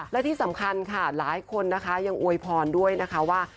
และที่สำคัญค่ะหลายคนนะคะยังอวยพรด้วยนะคะว่า